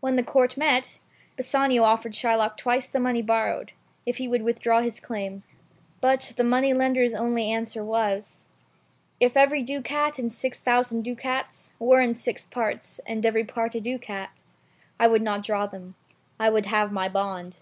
When the Court met, Bassanio offered Shylock twice the money borrowed, if he would withdraw his claim. But the Jew's only answer was — "If every ducat in six thousand ducats Were in six parts, and every part a ducat, I would not draw them, — I would have my bond."